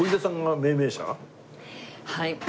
はい。